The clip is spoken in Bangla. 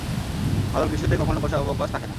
ভাজক টিস্যুতে কখনো কোষাবকাশ থাকে না।